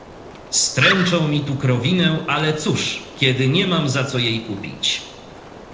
"Stręczą mi tu krowinę, ale cóż, kiedy nie mam za co ją kupić."